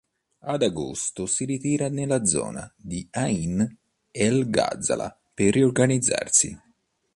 Ad agosto si ritirava nella zona di Ain el-Gazala per riorganizzarsi.